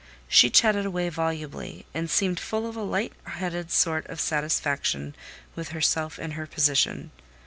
She chatted away volubly, and seemed full of a light headed sort of satisfaction with herself and her position.